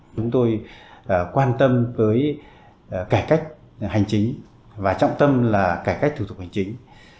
chúng tôi quan tâm với cải cách hành chính và trọng tâm là cải cách thủ tục hành chính